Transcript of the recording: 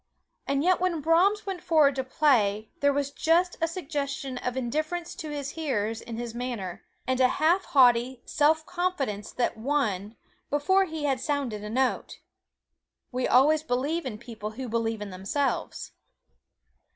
And yet when Brahms went forward to play, there was just a suggestion of indifference to his hearers in his manner, and a half haughty self confidence that won before he had sounded a note. We always believe in people who believe in themselves.